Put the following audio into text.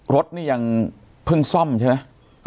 รถนี่ยังเพิ่งซ่อมใช่ไหม